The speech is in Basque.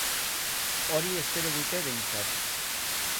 Hori espero dute behintzat.